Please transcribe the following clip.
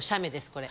これ。